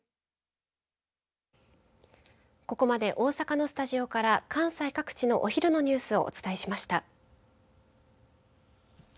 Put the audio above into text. ここまで、大阪のスタジオから関西各地のお昼のニュースをお伝えしました。